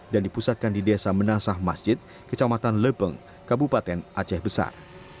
dan dipusatkan di desa menasah masjid kecamatan lepeng kabupaten aceh besar